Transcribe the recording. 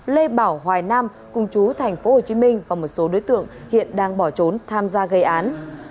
lê bảo hoài nam cùng chú thành phố hồ chí minh và một số đối tượng hiện đang bỏ trốn tham gia gây án